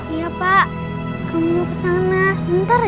iya pak kamu mau ke sana sebentar aja